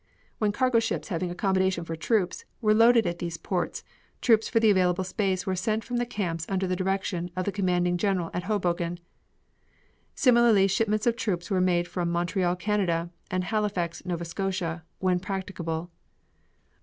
When cargo ships having accommodations for troops were loaded at these ports troops for the available space were sent from the camps under the direction of the commanding general at Hoboken; similarly shipments of troops were made from Montreal, Canada, and Halifax, Nova Scotia, when practicable.